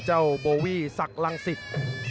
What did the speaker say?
เจ้าโบวี่สักลังสิทธิ์